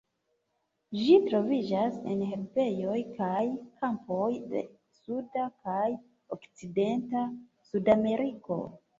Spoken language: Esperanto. Ĝi troviĝas en herbejoj kaj kampoj de suda kaj okcidenta Sudameriko.